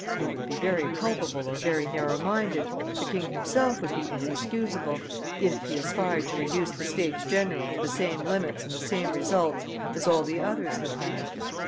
They would be very culpable or very narrow minded, the king himself would be inexcusable, if he aspired to reduce the States general to the same limits and the same results as all the others have had.